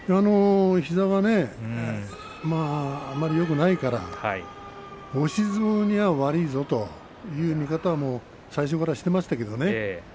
膝がねあまりよくないから押し相撲には悪いぞという見方は最初からしていましたけどね。